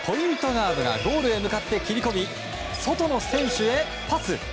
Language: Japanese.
ガードがゴールへ向かって切り込み外の選手へパス。